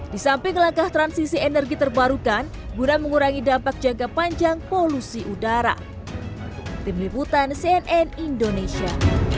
di samping langkah transisi energi terbarukan guna mengurangi dampak jangka panjang polusi udara